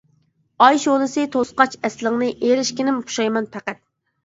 ئاي شولىسى توسقاچ ئەسلىڭنى، ئېرىشكىنىم پۇشايمان پەقەت!